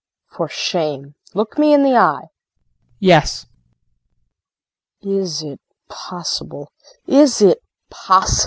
For shame. Look me in the eye. JEAN. Yes. KRISTIN. Is it possible? Is it possible?